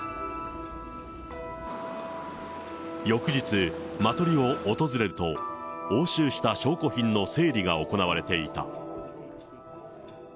翌日、マトリを訪れると、押収した証拠品の整理が行われていた。